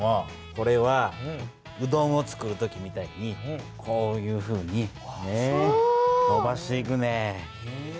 これはうどんをつくる時みたいにこういうふうにのばしていくねん。